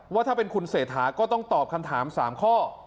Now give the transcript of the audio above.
ว่าถ้าเป็นคุณเศรษฐาก็ต้องตอบคำถาม๓ข้อ